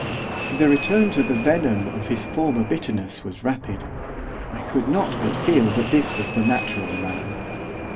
The return to the venom of his former bitterness was rapid, I could not but feel that this was the natural man.